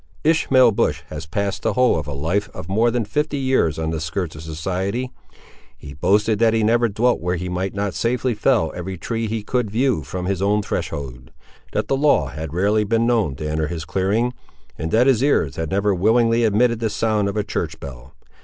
Ishmael Bush had passed the whole of a life of more than fifty years on the skirts of society. He boasted that he had never dwelt where he might not safely fell every tree he could view from his own threshold; that the law had rarely been known to enter his clearing, and that his ears had never willingly admitted the sound of a church bell.